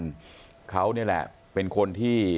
อัสทีนี้แหละเป็นคนที่